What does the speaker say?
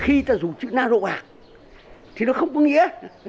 khi ta dùng chữ nano bạc thì nó không có nghĩa